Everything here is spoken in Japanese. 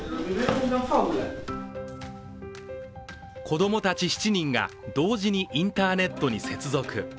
子供たち７人が同時にインターネットに接続。